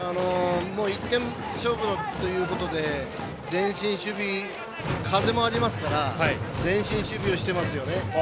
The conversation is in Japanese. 一点勝負というところで前進守備、風もありますから前進守備をしていますよね。